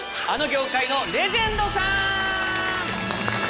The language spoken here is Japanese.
あの業界のレジェンドさん。